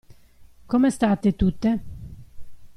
Come state tutte?